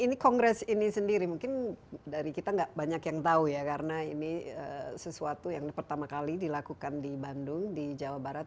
ini kongres ini sendiri mungkin dari kita nggak banyak yang tahu ya karena ini sesuatu yang pertama kali dilakukan di bandung di jawa barat